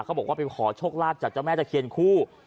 เขาบอกว่าไปขอโชคลาภจากเจ้าแม่ตะเคียนคู่